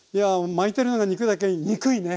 巻いてるのが肉だけににくいね！